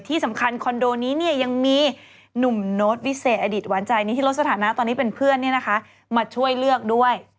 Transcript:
ที่สำคัญคอนโดนี้ยังมีหนุ่มโน้ตวิเศษอดีตหวานใจนี้ที่ลดสถานะตอนนี้เป็นเพื่อนมาช่วยเลือกด้วย